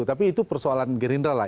tapi itu persoalan gerindra lah